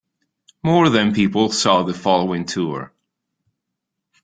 More than people saw the following tour.